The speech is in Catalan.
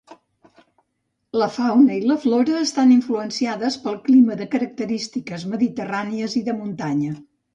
La fauna i la flora estan influenciades pel clima de característiques mediterrànies i de muntanya.